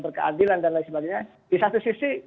berkeadilan dan lain sebagainya di satu sisi